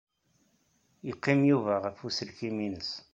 Yeqqim Yuba ɣer uselkim-nnes.